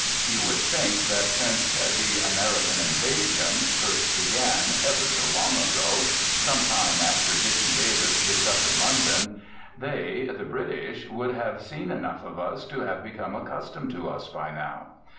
You would think that since the "American invasion" first began ever so long ago, some time after Dicky Davis "discovered" London, they, the British, would have seen enough of us to have become accustomed to us by now.